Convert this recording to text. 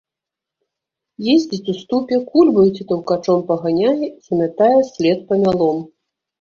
Ездзіць у ступе, кульбаю ці таўкачом паганяе і замятае след памялом.